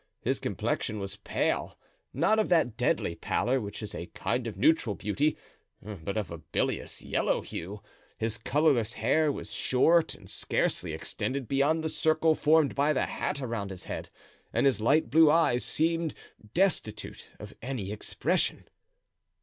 His complexion was pale, not of that deadly pallor which is a kind of neutral beauty, but of a bilious, yellow hue; his colorless hair was short and scarcely extended beyond the circle formed by the hat around his head, and his light blue eyes seemed destitute of any expression.